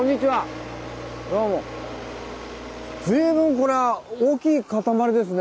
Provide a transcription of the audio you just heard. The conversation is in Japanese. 随分これは大きい塊ですね。